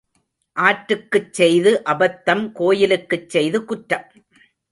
ஆற்றுக்குச் செய்து அபத்தம் கோயிலுக்குச் செய்து குற்றம்.